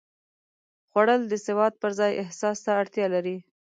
خوړل د سواد پر ځای احساس ته اړتیا لري